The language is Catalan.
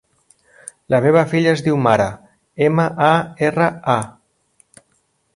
La meva filla es diu Mara: ema, a, erra, a.